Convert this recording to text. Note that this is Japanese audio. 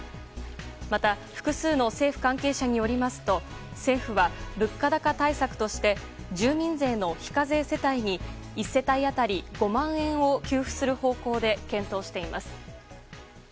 また、複数の政府関係者によりますと政府は、物価高対策として住民税の非課税世帯に１世帯当たり５万円を給付する方向で検討しています。